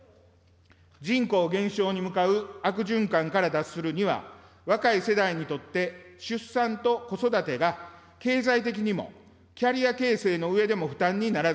人口減少に向かう悪循環から脱するには、若い世代にとって出産と子育てが経済的にも、キャリア形成の上でも負担にならず、